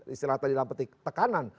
istilah tadi dalam petik tekanan